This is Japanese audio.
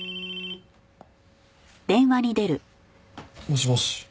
もしもし。